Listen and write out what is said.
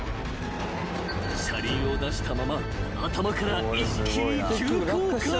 ［車輪を出したまま頭から一気に］